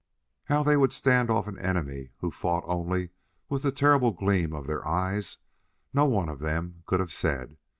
How they would stand off an enemy who fought only with the terrible gleam of their eyes no one of them could have said.